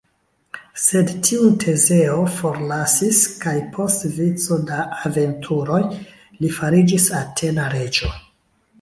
Sed tiun Tezeo forlasis kaj post vico da aventuroj li fariĝis atena reĝo.